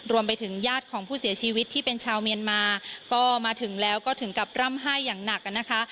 ญาติของผู้เสียชีวิตที่เป็นชาวเมียนมาก็มาถึงแล้วก็ถึงกับร่ำไห้อย่างหนักนะคะ